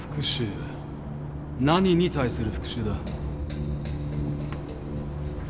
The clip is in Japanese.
何に対する復讐だ？